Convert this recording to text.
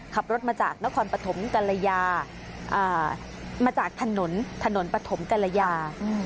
ขับรถมาจากนครปฐมกัลยามาจากถนนถนนปฐมกรยา